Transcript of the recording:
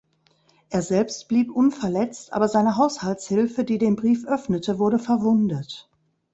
Er selbst blieb unverletzt, aber seine Haushaltshilfe, die den Brief öffnete, wurde verwundet.